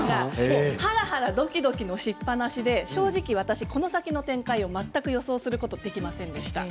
はらはらドキドキしっぱなしで正直、私もこの先の展開、全く予想することができませんでした。